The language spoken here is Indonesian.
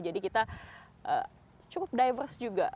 jadi kita cukup diverse juga